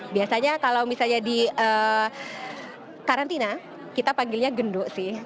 biasanya kalau misalnya di karantina kita panggilnya genduk sih